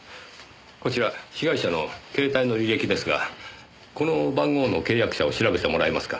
こちら被害者の携帯の履歴ですがこの番号の契約者を調べてもらえますか？